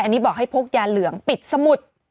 อันนี้บอกให้พกยาเหลืองปิดสมุด